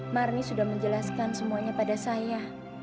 marni sudah menjelaskan semuanya pada saya